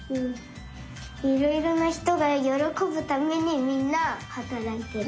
いろいろなひとがよろこぶためにみんなはたらいてる。